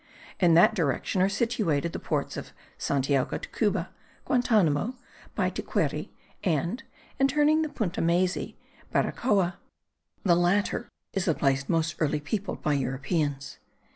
In that direction are situated the ports of Santiago de Cuba, Guantanamo, Baitiqueri and (in turning the Punta Maysi) Baracoa. The latter is the place most early peopled by Europeans.